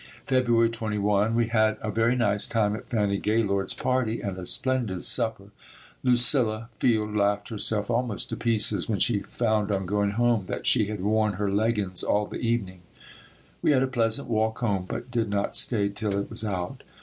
February 21. We had a very nice time at Fannie Gaylord's party and a splendid supper. Lucilla Field laughed herself almost to pieces when she found on going home that she had worn her leggins all the evening. We had a pleasant walk home but did not stay till it was out.